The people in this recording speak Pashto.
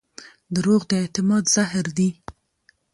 دروغ د اعتماد زهر دي.